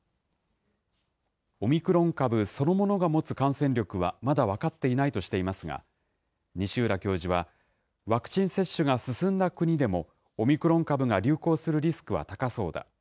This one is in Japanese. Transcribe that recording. オミクロン株そのものが持つ感染力はまだ分かっていないとしていますが、西浦教授は、ワクチン接種が進んだ国でも、オミクロン株が流行するリスクは高そうだ。